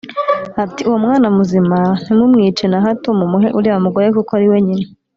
ati “Uwo mwana muzima ntimumwice na hato, mumuhe uriya mugore kuko ari we nyina”